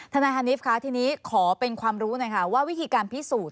ทนายฮานิฟคะทีนี้ขอเป็นความรู้หน่อยค่ะว่าวิธีการพิสูจน